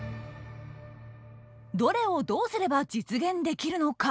どれをどうすれば実現できるのか。